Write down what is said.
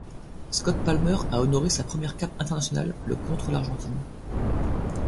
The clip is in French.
Scott Palmer a honoré sa première cape internationale le contre l'Argentine.